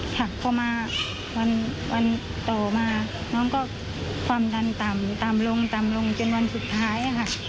หักเขามาวันต่อมาน้องก็ความดันต่ำลงต่ำลงต่ำลงจนวันสุดท้าย